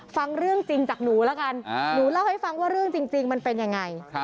ฟังเรื่องจริงจากหนูแล้วกันหนูเล่าให้ฟังว่าเรื่องจริงมันเป็นยังไง